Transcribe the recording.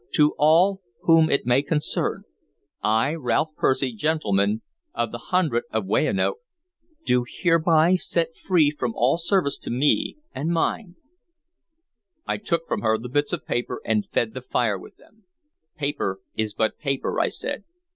"'To all whom it may concern: I, Ralph Percy, Gentleman, of the Hundred of Weyanoke, do hereby set free from all service to me and mine'" I took from her the bits of paper, and fed the fire with them. "Paper is but paper," I said.